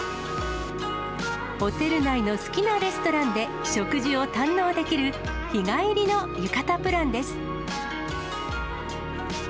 ホテル内の好きなレストランで食事を堪能できる、日帰りの浴衣プランです。